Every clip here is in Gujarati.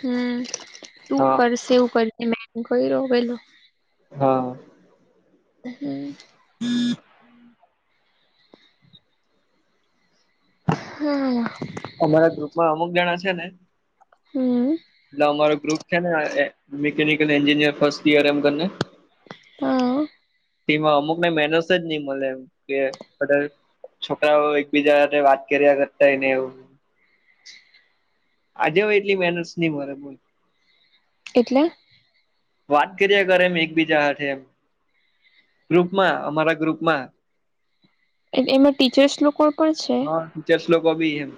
હમ્મ તું હા કરશે એવું કરશે મેં કઈરો વેલો હા. હમ્મ હમ. હા લા અમારા ગ્રુપમાં અમુક જણા છે ને. હમ્મ એટલે અમારો ગ્રુપ છે ને એ મિકનિકલ એન્જિનિયર ફર્સ્ટ ઈયર એમ કરીને. હા. તેમાં અમુક મે મેનસ જ નહી મળે એમ કે [unintelligible] છોકરાઓ એકબીજા સાથે વાત કર્યા કરતાય ને એવું. આજે હવે એટલી મહેનસ નહી મલે બોલ એટલે? વાત કર્યા કરે ન એક બીજા સાથે એમ ગ્રુપમાં અમારા ગ્રુપમાં એટલે એમાં ટીચર્સ લોકો પણ છે? હા ટીચર્સ લોકો બી એમ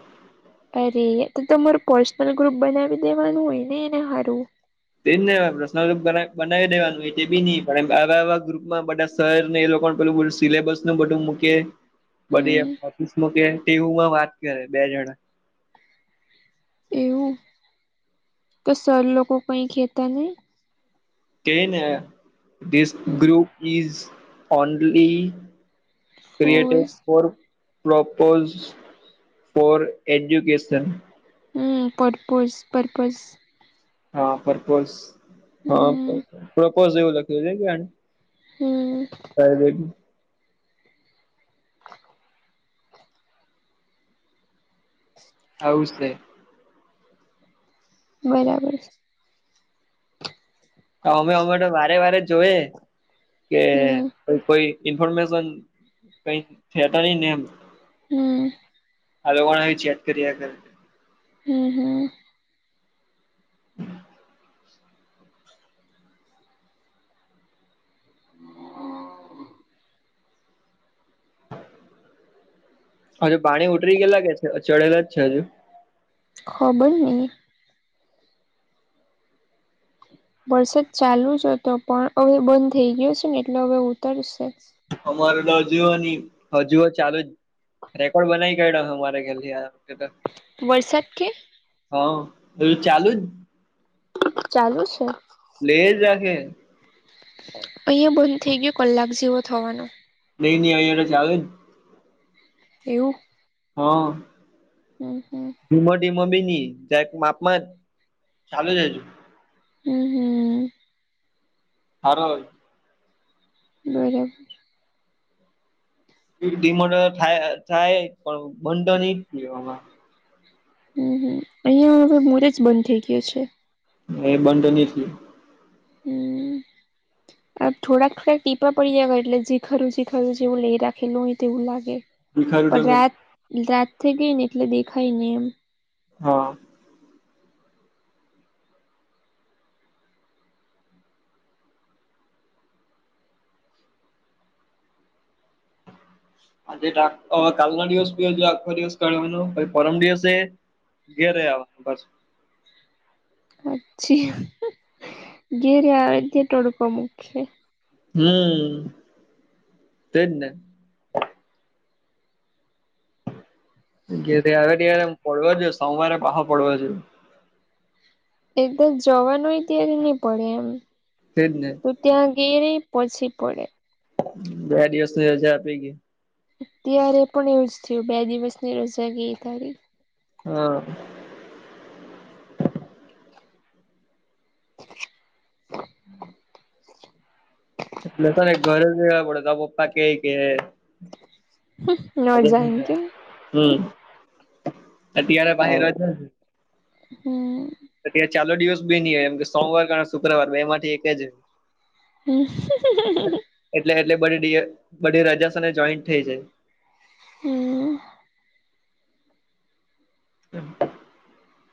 અરે તો તમારું પર્સનલ ગ્રુપ બનાવી દેવાનું હોય ને એને હારું તે જ ને પર્સનલ બનાય બનાવી દેવાનું તે બી નઈ પણ આવાવા ગ્રુપમાં બધા સર ને એ લોકો પેલું પેલું સિલેબસ નું બધું મૂકે. બધી હમ ઓફિસ માં કે ટીવુંમાં વાત કરે, બે જણા એવું તો સર લોકો કઈ કેતા નહી ક્હે ન this hmm group is only creative force for propose for education hmm propose purpose હા પ્રપોઝ હા હમ પ્રપોઝ એવું લખું છે કે હમ [unintelligible] [unintelligible] આઉજ છે. બરાબર. અમે અમે તો વારે વારે જોય કે હમ કોઈ કોઈ ઇન્ફોર્મેશન કઈ [unintelligible] ની એમ હમ્મ હાલવાની ચેટ કર્યા કરે હમ્મ, હમ્મ. હ.... હજુ પાણી ઉતરી ગયેલા કે છે ચડેલા જ છે હજુ ખબર નઈ. વરસાદ ચાલુ જ હતો પણ હવે બંધ થઈ ગયો છે ને એટલે હવે ઉતરશે જ અમારે તો હજુ હો નહી, હજુ હ ચાલુ જ રેકોર્ડ બનાઈ કયડો હે અમારે ઘરની [unintelligible] વરસાદ કે હ એવું ચાલુ જ ચાલુ છે. લેજ જાગે આઇયા બન્દ થઇ ગયો કલાક જેવો થવાનો. નહી ને આઇયા [unintelligible] આવે ન. એવું હા. હ હા. ધીમોમો બી નક માપમાં જ ચાલુ છે જ. હમ હમ. હાર [unintelligible] હમ. થાય થાય પણ બનંધ ન જમાં. હમ હમ અહિયાં હવે મોરેજ બંધ થઇ ગયો છે. એ બંધ નથી. હ. થોડાક ટીપા પડી જ એટલે જે ખરું જે જેવું લઈ રાખેલું હોય તેવું લાગે. ભીખારું તો પણ રાત નથી રાત થઈ ગઈ ને એટલે દેખાય નઈ એમ. હા. આજે કાલનો દિવસ બી હજી આખો દિવસ ગણવાનો પહિ પરમ દિવસે ઘેરે આવ પાછું. અછી ઘેરે આવે તે ટડકો મુખે. હમ્મ તેજ ને. આવે ત્યારે હું પડવા જો સોવારે પાહો પડવા જો. એકદર જવાનુંય ત્યારે નહી પડે એમ. તેજને. તો ત્યાં ઘેરે પછી પડે. બે દિવસ સુધી રજા આપી ગઈ. અત્યારે પણ એવુંજ થયું બે દિવસ ની રજા ગઈ તારી. હા. [inaudible] હમ. લષણે ઘરે કેવા પડે તાર પપ્પા કેહિ કે ન જાકે [unintelligible] હમ અત્યારે પાહિ રાજા છે. હમ્મ. ત્યારે ચાલો દિવસ બી ની આયો એમ કે સોમવાર ગણો શુક્રવાર બે માંથી એક જ. [unintelligible] એટલે એટલે બધી રાજા છે ને જોઈન્ટ થઈ જાય. હમ્મ.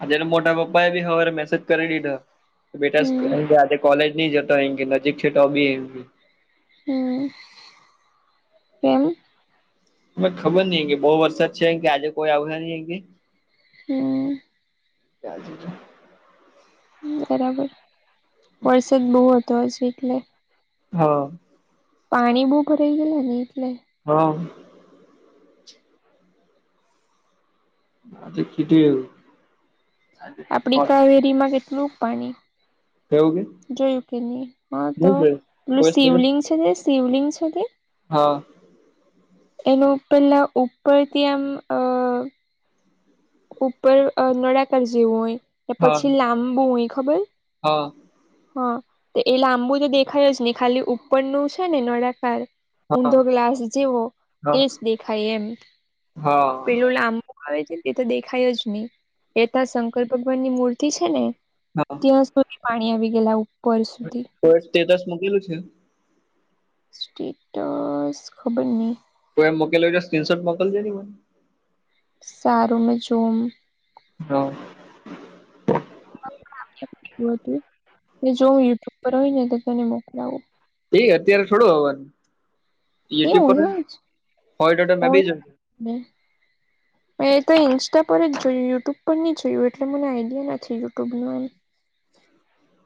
જેને મોટા પપ્પા એ બી હવારે મેસેજ કરી દીધો. બેટા હમ આજે કોલેજ નહી જતો એ કે નજીક છે તો બી. હમ્મ, એમ. ખબર નહી કે બહુ વરસાદ છે કે આજે કોઈ આવ્યા નહી એમ કે. હમ્મ. [unintelligible] બરાબર, વરસાદ બહુ હતો આજ એટલે. હા. પાણી બઉ ભરાઈ ગયલા ને એટલે. હા. આ તો કીધું એવું. આપડી કાવેરીમા કેટલું પાણી એવું કે જોયું કે નહી હા તો હું છે પેલું કોઈ સ્ટુડન્ટ શિવલિંગ છે જે શિવલિંગ છે તે હા. એનો ઉપરલા ઉપરથી આમ અ ઉપર અ નળાકાર જેવું હોય ને હા પછી લાંબુ હોય ખબર? હા. હા તો એ લાંબુ તો દેખાય જ ને ખાલી ઉપરનું છે ને નળાકાર હા ઊંધો ગ્લાસ જેવો હા એજ દેખાય એમ હા પેલું લાં આવે છે તે તો દેખાય જ નહી એતા શંકર ભગવાનની મૂર્તિ છે ને હા ત્યાં સુધી પાણી આવી ગયલા ઉપર સુધી. તો સ્ટેટસ મૂકેલું છે? સ્ટેટસ ખબરની. તો એમ મુકેલેજો સ્ક્રીનશૉટ મોકલજેરી મન. સારું મેં જોમ. હા. જો યુટ્યુબ પર હોય ને તો તેને મોકલાવું. એ અત્યારે થોડું હવાનું એ યુટ્યુબ પર હોય હોય ટોટ બીજ હમ્મ. મેં તો ઈન્સ્ટા પર જ જોયું યુટ્યુબ પર ની જોયું એટલે મને આઈડિયા નથી યુટ્યુબ ની.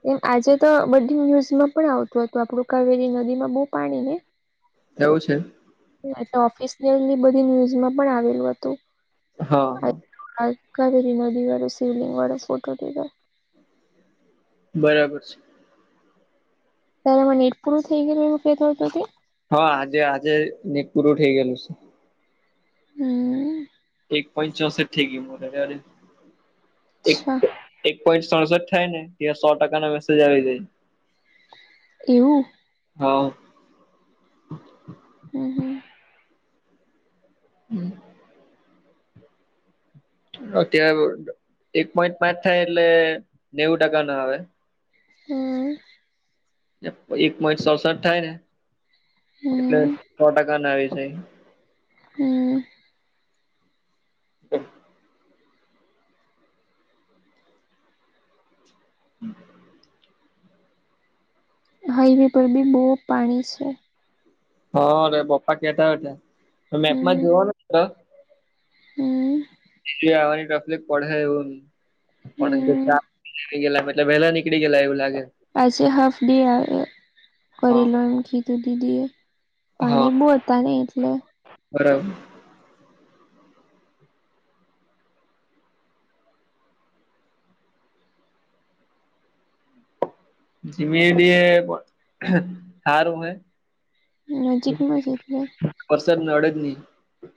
એમ આજે તો બંગ ન્યુઝમાં પણ આવતું હતું આપણું કાવેરી નદીમાં બહુ પાણી ને. એવું છે. એટલે ઓફિસયલ બધી ન્યુઝમાં પણ આવેલું હતું. હા. કરી નદી વા સિવલિંગ વાડ ફોટોટધ બરાબર છે. ત્યારેમાં નેટ પૂરું થઈ ગયું એવુ ફે થથી. હા, આજે આજે પૂરું થઇ ગયેલું છે. હમ્મ એક પોઈન્ટ ચોસઠ ગી મો અ, એક અચ્છા એક પોઇન્ટ સડસઠ થાય ને ત્યાં સો ટકા ના મેસેજ આવી જાય. એવું? હ. હમ્મ, હમ્મ. હમ્મ. અત્યારે એક પોઈન્ટ પાંચ થાય એટલે નેવું ટકા ના આવે. હમ્મ. એક પોઈન્ટ સડસઠ થાય ને એટલે હમ્મ સો ટકા ના આવી જાય. હમ્મ. હ. હમ્મ. હાઈવે પર બી બહુ પાણી છે. હા અ પપ્પા કેતા હો મેપમાં હમ્મ જોવાનું. હમ્મ. [inaudible] આવાની ટફલેક પડે હમ્મ [inaudible] થઈ ગેલા મલે વહેલા નીકળ ગે એવું લાગે. આજે હાફ ડે આવે. હા કરી લો એમ કીધું દીદી એ હા પાણી બહુ હતા નહી એટલે બરાબર. જીમી દ એ હારું હે?. નજીકમાં જ એટલે વરસાદ ને અડે જ નહી.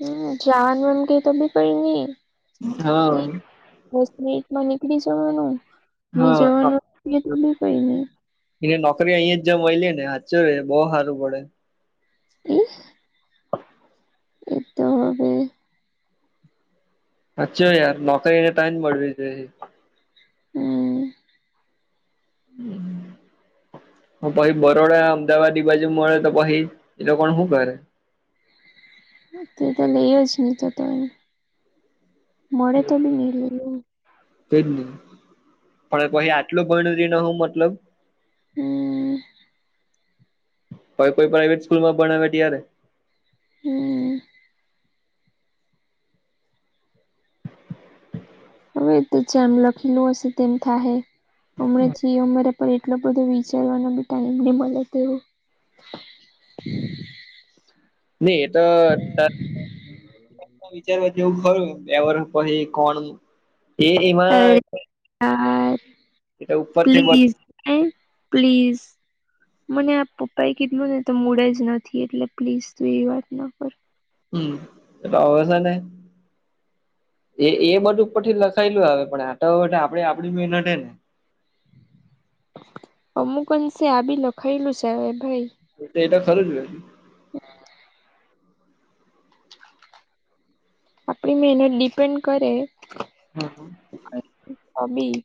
હમ ચાંદમ ક તો બી પડી ની.? હા. દસ મિનિટ માં નીકળી જવાનું હી હા જવાનું તો બી કઈ નહી. એને નોકરી અહીં જમ મળય લે ને સાચ એ બહુ સારું પડે. એજ એતો સાચો યાર નોકરીને ટાઈમ મળવી જોઈએ. હ. [inaudible] હ પહી બરોડા અમદાવાદ ઇ બાજુ મળે તો પછી એ લોકોણ શું કરે.? તે તો લઈ જ હી તો તો. મળે તો બી ની લેવું. તેજ ને પણ પછી આટલું ભનયુ ને હું મતલબ? હ પણ કોઈ પ્રાાઈવેટ સ્કૂલ માં ભણાવે ત્યારે, હમ [inaudible] હવે તો જેમ લખેલું હશે તેમ થશે. હમણાં જે અમારા પાસે એટલો બધો વિચારવાનો બી ટાઈમ નહી મળે. તેવો નહી એતો તા વિચારવા જેવું ખરું. બે વર્ષ પછી કોણ એ એમાં આર ઉપરથી પ્લીઝ હા પ્લીઝ. મને આ પપ્પા એ કીધેલું ને તો મુડ જ નથી. એટલે પ્લીઝ તું એ વાત ન કર. હમ તો આવે સે ને? એ એ બધું ઉપર થી લખાયેલું આવે પણ આત આપડે આપણી મહેનત જ ને અમુક અંશે આબી લખાયલું જ આવે ભાઈ. એ તો ખરું જ લખ્યું. હ આપણી મહેનત ડિપેન્ડ કરે હમ હોબી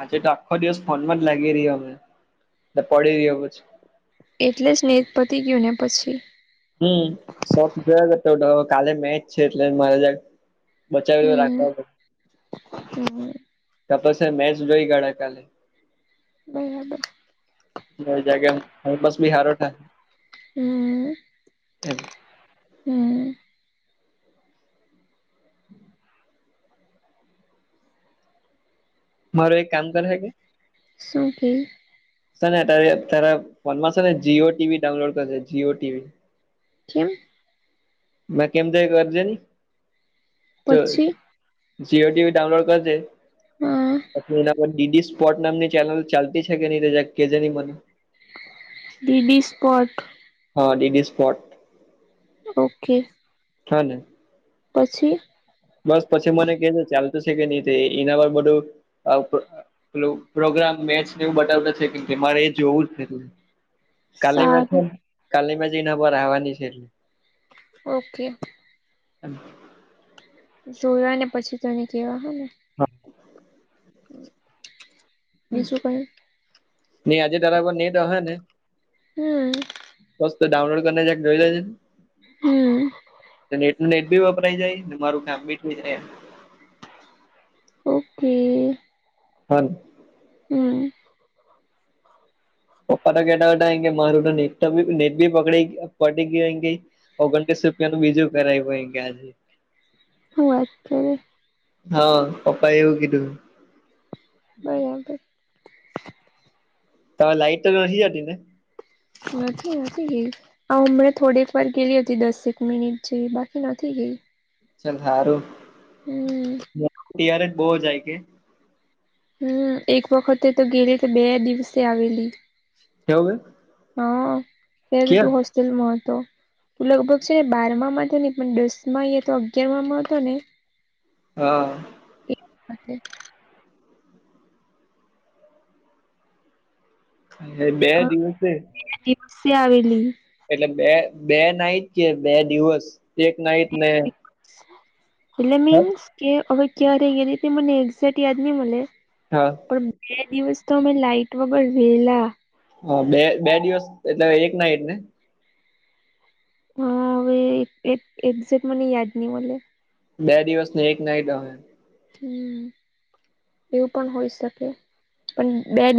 આજે તો આખ્ખો દિવસ ફોન માંજ લાગી રહ્યાં અમે. ને પડી રહયા પછી. એટલે જ નેટ પતિ ગયુંને પછી. હમ શોખ જોયા કરતો હતો. કાલે મેચ છે એટલે મારે બચાવી ને રાખવાનું. અમે [inaudible] ત પછી મેચ જોઈ કાઢા કાલે. હમમ તો જરાક એમ ટાઈમ પાસ બી સારો થાય હમ એમ. હમ મારુ એક કામ કરશે કે? શું કેય? સર ને તે તારા ફોનમાં છે ને જીયો ટીવી ડાઉનલોડ કરજે જીયો ટીવી. કેમ? મેં કેમ તે કરજે ની, જો પછી જીયો ટીવી ડાઉનલોડ કરજે. હા એના પર ડીડી સ્પોર્ટ નામની ચેનલ ચાલતી કે નહી તે જરાક કેજે ને મને. DD sport. હા ડીડી સ્પોર્ટ. ઓકે. હાને. પછી? બસ પછી મને કેજે ચાલતું છે કે નહી તે, એના પર બધું આવતું. પેલું પ્રોગ્રામ, મેચને એવું બતાવતા છે, કેમ કે મારે એ જોવું જ છે એટલે. સારું કાાલનીમાંજી કાલીનીમાંજી એનાં પર આવવાની છે એટલે. ઓકે. હ. જોવા ને પછી તને કેવા હને. હા. હમ. નહી આજે તારામાં નેટ અહે ને? હમ બસ્ તો ડાઉનલોડ કરીને જક જોઈ લેજ ને. હમ નેટ નું નેટ ભી વપરાય જાય ને મારું કામ ભી થઈ જાય. ઓકે. હા. હમ. પપા તો કેટા બેટાે મારું તો નેટ નેટ ભી પકડી પડી ગંગે. ઓગણત્રીસ રૂપિયાનું બીજું કરાવ્યું ગજે. [unintelligible] હા પ્પાયવું કધું. બરાબબર. ત લાઈટ નથીહી જાતી ને? નથીછી નથી. હ હમણાં થોડીક વાર ગેલી હતી દસેક મિનિટ જે બાકી નથી ગઈ. ચાલ સારું, હમ ત્યારે જ બહ જાય કે. હમ એક વખતે તો ગેલી બે દિવસે આવેલી. કેવું ગય? હ, એે તુંસ જલમાં હતો, લગભગ છે ને તો નહીં દસમાં એ તો અગિયાર માં હતો ને. હા. હી. [unintelligible] હ બે દિવસે આવેલી. એટલે બે બે નાઈટ કે બે દિવસ એક નાઈટ ને હેલે હા મીન્સ કે અવે કે ર ગે તે મને એક્ઝેક્ટ યાદ નહી મલે. હા. પણ બે દિવસ તો અમે લાઈટ વગર વેલા. હ બે બે દિવસ એટલે એક નાઈટ ને? હા હવે એક એક્ઝેક્ટ મને યાદ નહી બોલે. બે દિવસ ને એક નાઈટ હ હમ્મ એવું પણ હોય શકે પણ બે દિવ